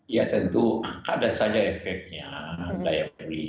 ya tentu ada saja efeknya daya beli